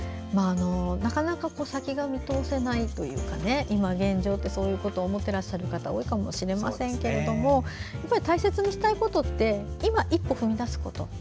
なかなか先が見通せないというかね、現状をそういうことを思ってらっしゃる方多いかもしれませんけど大切にしたいことって今一歩踏み出すこと。